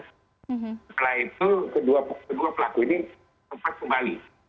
setelah itu kedua pelaku ini sempat kembali